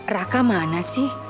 raka mana sih